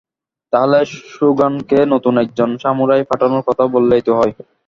তাহলে সোগানকে নতুন একজন সামুরাই পাঠানোর কথা বললেই তো হয়।